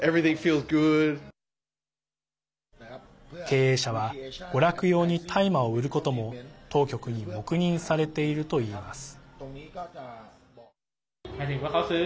経営者は娯楽用に大麻を売ることも当局に黙認されているといいます。